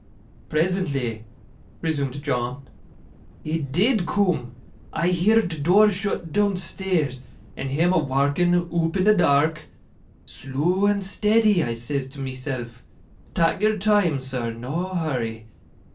'Presently,' resumed John, 'he DID coom. I heerd door shut doonstairs, and him a warking, oop in the daark. "Slow and steddy," I says to myself, "tak' your time, sir no hurry."